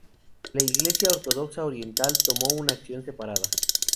La Iglesia Ortodoxa Oriental tomó una acción separada.